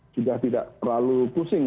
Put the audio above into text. juga tidak terlalu pusing